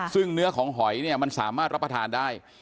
ซึ่งเนื้อของหอยเนี่ยมันสามารถรับประทานได้